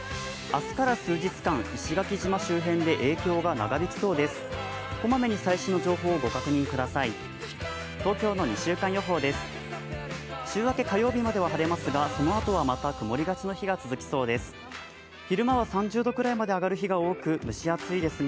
明日から数日間、石垣島周辺で影響が長引きそうです。